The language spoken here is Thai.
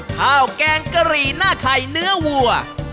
แกงกะหรี่หน้าไข่เนื้อวัว